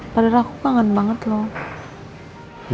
padahal aku kangen banget loh